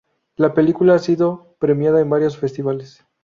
La película ha sido premiada en varios festivales.